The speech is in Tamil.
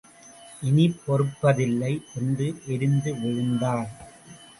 இனி பொறுப்பதில்லை என்று எரிந்து விழுந்தாள்.